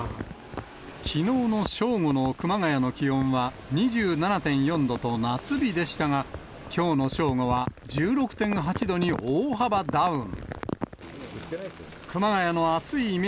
きのうの正午の熊谷の気温は２７．４度と夏日でしたが、きょうの正午は１６．８度に大幅ダウン。